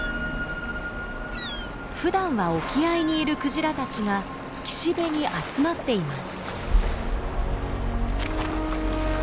ふだんは沖合にいるクジラたちが岸辺に集まっています。